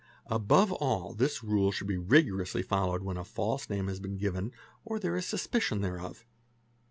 Above all this rule should be rigorously followed when a false — name has been given or there isa suspicion thereof.